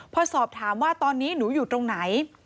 พอสอบถามว่าตอนนี้หนูอยู่ตรงไหน